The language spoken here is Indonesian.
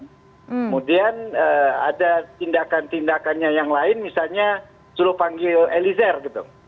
kemudian ada tindakan tindakannya yang lain misalnya suruh panggil eliezer gitu